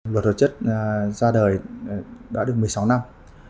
luật hóa chất ra đời đã được một mươi sáu năm